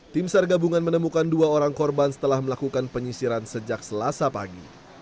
tim sar gabungan menemukan dua orang korban setelah melakukan penyisiran sejak selasa pagi